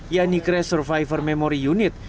yang dikreas survivor memory unit